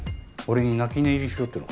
俺に泣き寝入りしろってのか？